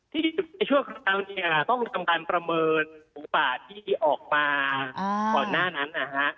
ที่ช่วงเวลาต้องกำกัดประเมินหูปากที่ออกมาก่อนหน้านั้น